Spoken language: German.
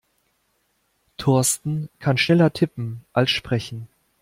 Thorsten kann schneller tippen als sprechen.